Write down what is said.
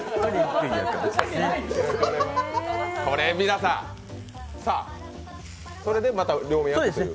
これ、皆さん、それでまた両面焼くという。